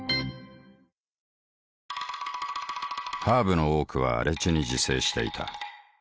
ハーブの多くは荒地に自生していた。